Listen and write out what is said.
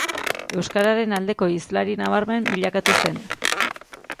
Euskararen aldeko hizlari nabarmen bilakatu zen.